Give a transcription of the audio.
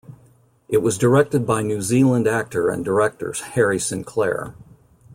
It was directed by New Zealand actor and director Harry Sinclair.